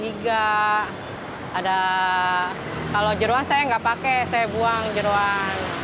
iga ada kalau jeruang saya enggak pakai saya buang jeruan